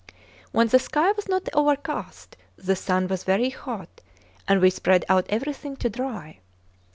When the sky was not overcast the sun was very hot, and we spread out everything to dry.